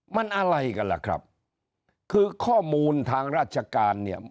มันอะไรกันล่ะครับคือข้อมูลทางราชการเนี่ย